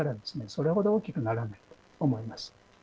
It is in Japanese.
それ程大きくならないと思います。